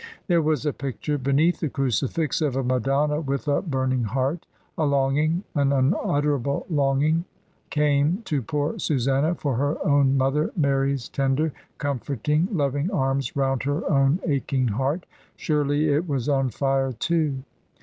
There was a picture beneath the crucifix of a Madonna with a burning heart. A longing, an unutterable longing came to poor Susanna for her own mother Manx's tender, comforting, loving arms round her o»^ aching heart — surely it was on fire too.